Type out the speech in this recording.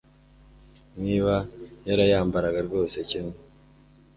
niba yarayambaraga rwose kimwe